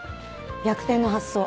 逆転の発想。